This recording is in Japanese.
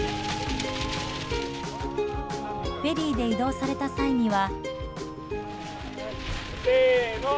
フェリーで移動された際には。